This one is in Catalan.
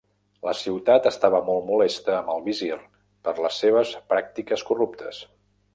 La ciutat estava molt molesta amb el visir per les seves pràctiques corruptes.